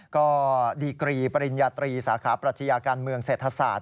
ก็ดีกรีปริญญาตรีสาขาปรัชญาการเมืองเศรษฐศาสต